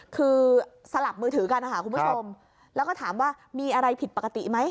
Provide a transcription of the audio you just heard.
คือสลับมือถือกันนะคะคุณผู้ชมแล้วก็ถามว่ามีอะไรผิดปกติไหม